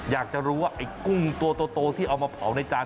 อยากจะรู้ว่าไอ้กุ้งตัวโตที่เอามาเผาในจาน